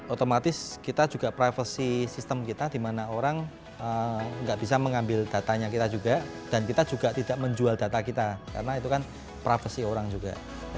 otomatis kita juga privasi sistem kita di mana orang nggak bisa mengambil datanya kita juga dan kita juga tidak menjual data kita karena itu kan privasi orang juga